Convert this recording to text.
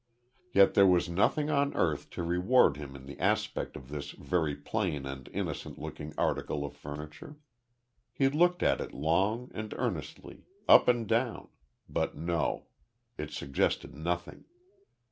Yet there was nothing on earth to reward them in the aspect of this very plain and innocent looking article of furniture. He looked at it long and earnestly up and down, but no. It suggested nothing.